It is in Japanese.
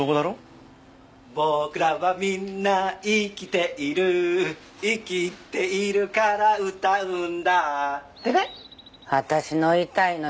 「ぼくらはみんな生きている」「生きているから歌うんだ」ってね！